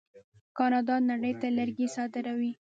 کاناډا نړۍ ته لرګي صادروي.